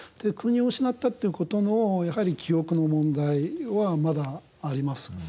国を失ったという事のやはり記憶の問題はまだあります。